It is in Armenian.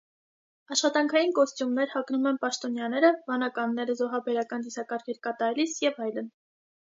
Աշխատանքային կոստյումներ հագնում են պաշտոնյաները, վանականները՝ զոհաբերական ծիսակարգեր կատարելիս, և այլն։